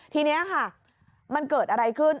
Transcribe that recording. ทีนี้ค่ะมันเกิดอะไรขึ้น